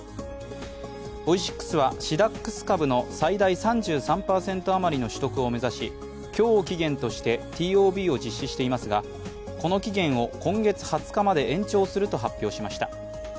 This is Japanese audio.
オイシックスは、シダックス株の最大３３％余りの取得を目指し、今日を期限としてＴＯＢを実施していますがこの期限を今月２０日まで延長すると発表しました。